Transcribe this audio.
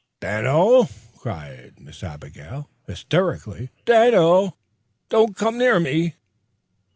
"Dan'el!" cried Miss Abigail, hysterically "Dan'el, don't come near me!"